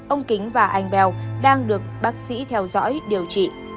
ông kính và anh bèo đang được bác sĩ theo dõi điều trị